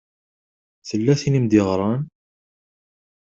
Tella tin i m-d-iɣṛan?